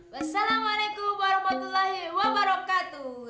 wassalamualaikum warahmatullahi wabarakatuh